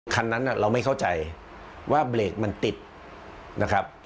คันนั้นเราไม่เข้าใจว่าเบรกมันติดนะครับ